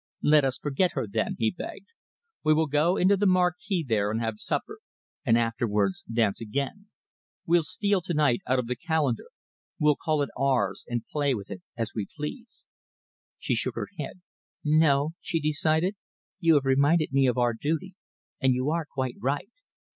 "Let us forget her, then," he begged. "We will go into the marquee there and have supper, and afterwards dance again. We'll steal to night out of the calendar. We'll call it ours and play with it as we please." She shook her head. "No," she decided, "you have reminded me of our duty, and you are quite right.